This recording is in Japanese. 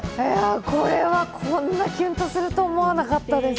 これはこんなキュンとすると思わなかったです。